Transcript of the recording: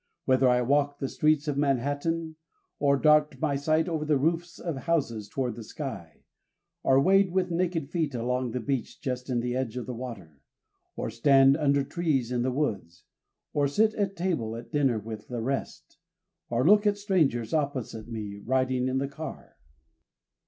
Whether I walk the streets of Manhattan, Or dart my sight over the roofs of houses toward the sky, Or wade with naked feet along the beach just in the edge of the water, Or stand under trees in the woods, Or sit at table at dinner with the rest, Or look at strangers opposite me riding in the car."